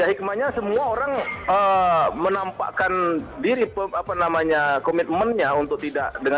ya hikmahnya semua orang menampakkan diri apa namanya komitmennya untuk tidak